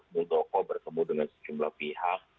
budoko berkembang dengan sejumlah pihak